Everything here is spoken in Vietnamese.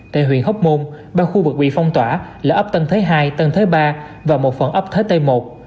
tại huyện hóc môn ba khu vực bị phong tỏa là ấp tân thế hai tân thế ba và một phần ấp thế tây một